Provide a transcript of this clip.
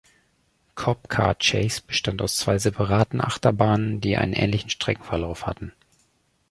Cop Car Chase bestand aus zwei separaten Achterbahnen, die einen ähnlichen Streckenverlauf hatten.